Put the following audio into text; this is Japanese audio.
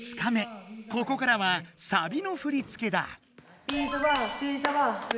ここからはサビの振り付けだ。